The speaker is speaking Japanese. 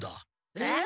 えっ？